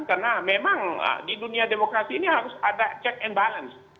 karena memang di dunia demokrasi ini harus ada check and balance